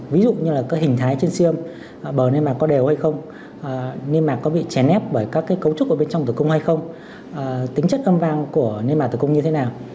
ví dụ như là hình thái trên siêm bờ niêm mạc có đều hay không niêm mạc có bị chén ép bởi các cấu trúc ở bên trong tử cung hay không tính chất âm vang của niêm mạc tử cung như thế nào